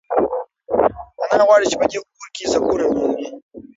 انا غواړي چې په دې کور کې سکون ومومي.